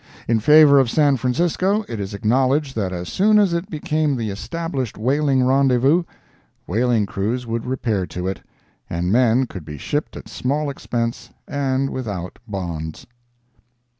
In favor of San Francisco, it is acknowledged that as soon as it became the established whaling rendezvous, whaling crews would repair to it, and men could be shipped at small expense and without bonds.